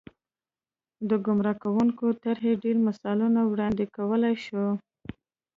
د ګمراه کوونکې طرحې ډېر مثالونه وړاندې کولای شو.